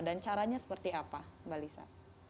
dan caranya seperti apa mbak lisa